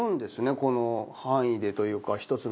この範囲でというか１つの機械で。